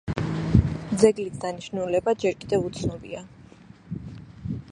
ძეგლის დანიშნულება ჯერ ისევ უცნობია.